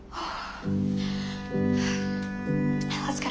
ああ。